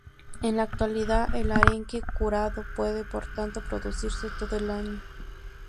En la actualidad, el arenque curado puede por tanto producirse todo el año.